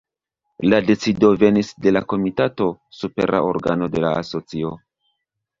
La decido venis de la Komitato, supera organo de la Asocio.